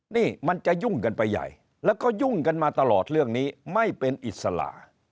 นี่มันจะยุ่งกันไปใหญ่แล้วก็ยุ่งกันมาตลอดเรื่องนี้ไม่เป็นอิสระ